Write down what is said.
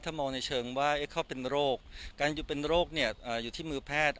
ถ้ามองในเชิงว่าเขาเป็นโรคการอยู่เป็นโรคเนี่ยอยู่ที่มือแพทย์